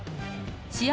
試合